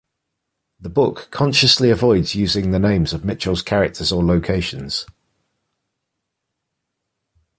The book consciously avoids using the names of Mitchell's characters or locations.